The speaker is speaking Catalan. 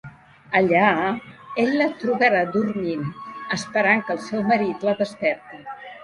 Allà, ell la trobarà dormint, esperant que el seu marit la desperti.